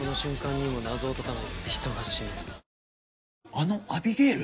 あのアビゲイル？